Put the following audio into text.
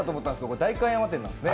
これ、代官山店なんですね。